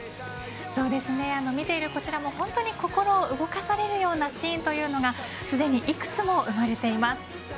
そうですね、見ているこちらも本当に心を動かされるようなシーンというのがすでにいくつも生まれています。